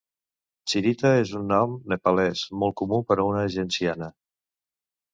"Chirita" és un nom nepalès molt comú per a una genciana.